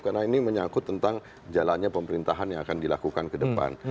karena ini menyangkut tentang jalannya pemerintahan yang akan dilakukan ke depan